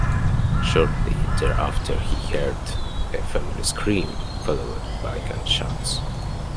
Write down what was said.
Shortly thereafter he heard a female scream, followed by gunshots.